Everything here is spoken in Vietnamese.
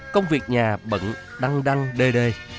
công việc nhà bận đăng đăng đê đê